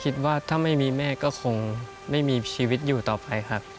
คิดว่าถ้าไม่มีแม่ก็คงไม่มีชีวิตอยู่ต่อไปครับ